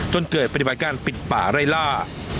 จนเกิดปฏิบัติการปิดป่าไล่ล่า